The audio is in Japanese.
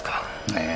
ええ。